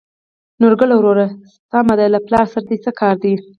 نورګله وروره د سمد له پلار سره د څه کار دى ؟